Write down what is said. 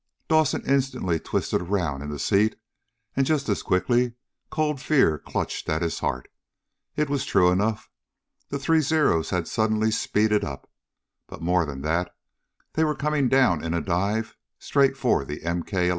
Dawson instantly twisted around in the seat, and just as quickly cold fear clutched at his heart. It was true enough. The three Zeros had suddenly speeded up. But, more than that, they were coming down in a dive straight for the MK 11.